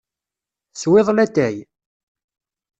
Teswiḍ latay?